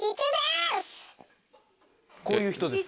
こういう人です。